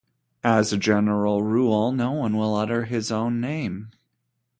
As a general rule, no one will utter his own name.